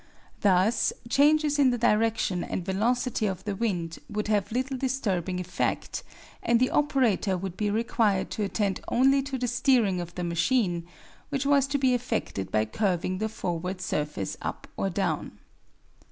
Thus changes in the direction and velocity of the wind would have little disturbing effect, and the operator would be required to attend only to the steering of the machine, which was to be effected by curving the forward surface up or down.